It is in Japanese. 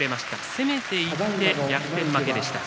攻めていって逆転負けでした。